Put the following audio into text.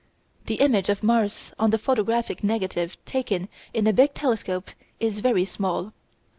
The image of Mars on the photographic negative taken in a big telescope is very small.